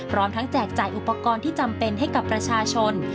พร้อมทั้งแจกจ่ายอุปกรณ์ที่จำเป็นให้กับประชาชน